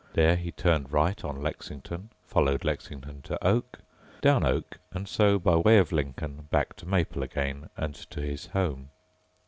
There he turned right on Lexington, followed Lexington to Oak, down Oak and so by way of Lincoln back to Maple again and to his home.